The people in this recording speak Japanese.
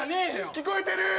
聞こえてるー！